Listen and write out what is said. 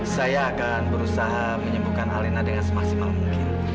saya akan berusaha menyembuhkan alena dengan semaksimal mungkin